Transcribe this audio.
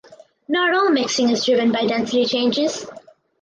Not all mixing is driven by density changes.